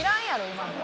今の！